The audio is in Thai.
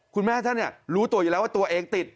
คุณแม่ท่านรู้ตัวอยู่แล้วว่าตัวเองติด